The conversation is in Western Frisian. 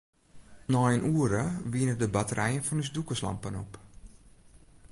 Nei in oere wiene de batterijen fan ús dûkerslampen op.